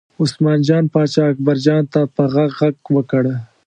عثمان جان پاچا اکبرجان ته په غږ غږ وکړ.